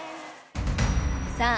さあ